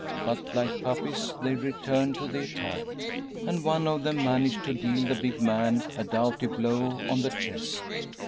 But, like puppies, they returned to the attack, and one of them managed to deal the big man a doughty blow on the chest.